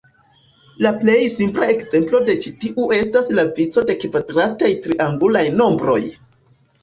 La plej simpla ekzemplo de ĉi tiu estas la vico de kvadrataj triangulaj nombroj.